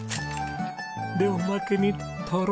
でおまけにとろ！